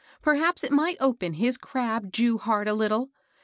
Perhaps it might open his crabbed Jew heart a little.